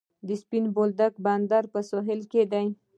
د سپین بولدک بندر په سویل کې دی